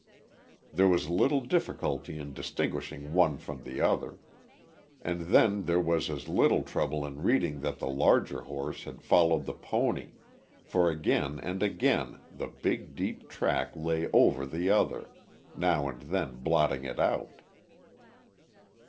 There was little difficulty in distinguishing one from the other. And there was as little trouble in reading that the larger horse had followed the pony, for again and again the big, deep track lay over the other, now and then blotting it out.